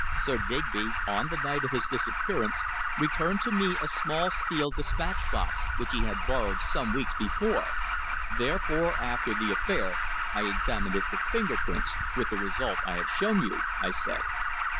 "Sir Digby, on the night of his disappearance, returned to me a small steel despatch box which he had borrowed some weeks before; therefore, after the affair, I examined it for finger prints, with the result I have shown you," I said.